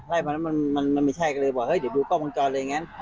ไล่มาแล้วมันไม่ใช่ก็เลยบอกเฮ้ยเดี๋ยวดูกล้องมังจอเลยอย่างนั้น